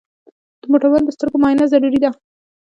د موټروان د سترګو معاینه ضروري ده.